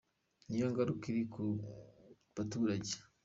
Ni yo ngaruka iri ku baturage.”